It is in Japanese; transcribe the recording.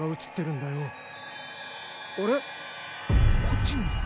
こっちにも。